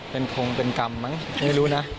เป็นคงเป็นกรรมมั้งไม่รู้นะ